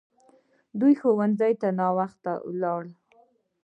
دوی ښوونځي ته ناوخته لاړل!